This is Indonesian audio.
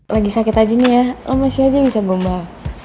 lagi sakit aja nih ya oh masih aja bisa gombal